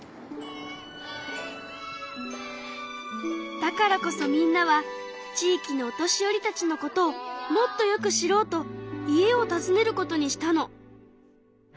だからこそみんなは地域のお年寄りたちのことをもっとよく知ろうと家を訪ねることにしたの。